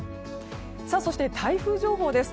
そして台風情報です。